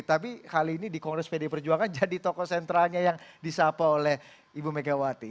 tapi kali ini di kongres pdi perjuangan jadi tokoh sentralnya yang disapa oleh ibu megawati